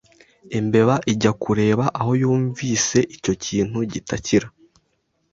Imbeba ijya kureba aho yumvise icyo kintu gitakira